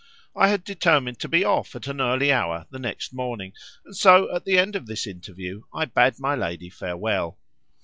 I had determined to be off at an early hour the next morning, and so at the end of this interview I bade my lady farewell.